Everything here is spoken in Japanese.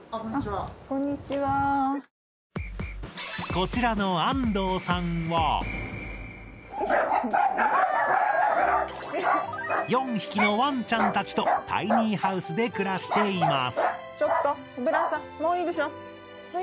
こちらの４匹のワンちゃんたちとタイニーハウスで暮らしています